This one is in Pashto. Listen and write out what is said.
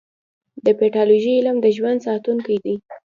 د پیتالوژي علم د ژوند ساتونکی دی.